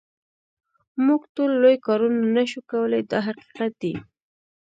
موږ ټول لوی کارونه نه شو کولای دا حقیقت دی.